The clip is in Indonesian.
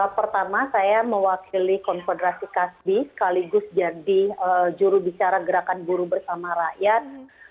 pertama saya mewakili konfederasi kasbi sekaligus jadi jurubicara gerakan buruh bersama rakyat